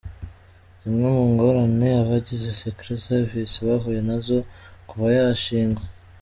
Zimwe mu ngorane abagize Secret Service bahuye nazo kuva yashingwa.